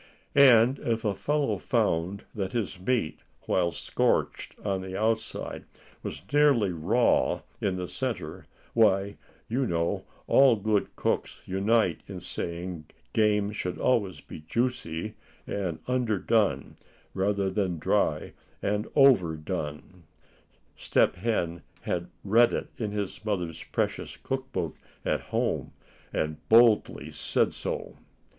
And if a fellow found that his meat, while scorched on the outside, was nearly raw in the center, why, you know, all good cook's unite in saying game should always be juicy and underdone, rather than dry and overdone Step Hen had read it in his mother's precious cook book at home, and boldly said so.